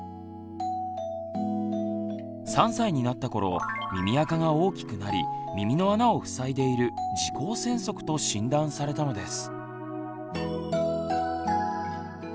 ３歳になったころ耳あかが大きくなり耳の穴をふさいでいる「耳垢栓塞」と診断されたのです。